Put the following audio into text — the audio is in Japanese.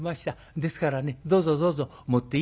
ですからねどうぞどうぞ持っていって下さい」。